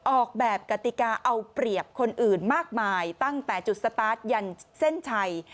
ออกแบบกติกาเอาเปรียบคนอื่นมากมายตั้งแต่จุดสตาร์ทยันเส้นชัย